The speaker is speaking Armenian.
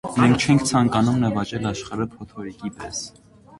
Մենք չենք ցանկանում նվաճել աշխարհը փոթորիկի պես։